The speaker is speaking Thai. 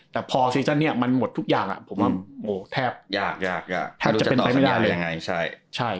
แต่พอซีซั่นเนี่ยมันหมดทุกอย่างผมว่าแทบยากยากแทบจะเป็นไปไม่ได้เลย